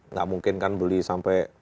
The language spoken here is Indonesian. nggak mungkin kan beli sampai